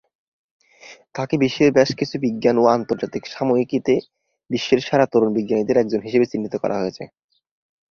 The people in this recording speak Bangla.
তাঁকে বিশ্বের বেশ কিছু বিজ্ঞান ও আন্তর্জাতিক সাময়িকীতে বিশ্বের সেরা তরুণ বিজ্ঞানীদের একজন হিসেবে চিহ্নিত করা হয়েছে।